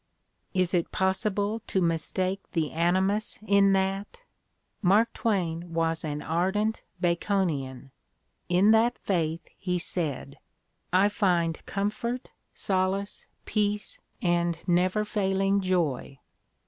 Is it possible to mistake the animus in that? Mark Twain was an ardent Baconian: in that faith, he said, "I find comfort, solace, peace and never failing joy."